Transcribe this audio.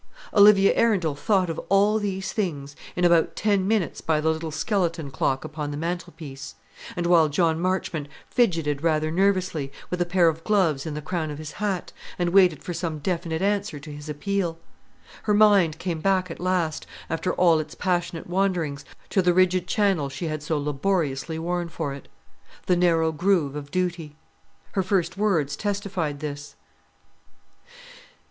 Olivia Arundel thought of all these things, in about ten minutes by the little skeleton clock upon the mantel piece, and while John Marchmont fidgeted rather nervously, with a pair of gloves in the crown of his hat, and waited for some definite answer to his appeal. Her mind came back at last, after all its passionate wanderings, to the rigid channel she had so laboriously worn for it, the narrow groove of duty. Her first words testified this.